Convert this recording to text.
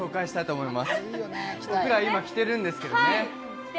僕ら今、着てるんですけどね。